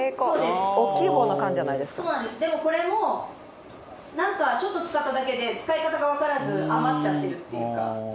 でもこれもなんかちょっと使っただけで使い方がわからず余っちゃってるっていうか。